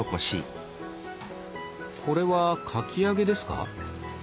これはかき揚げですか？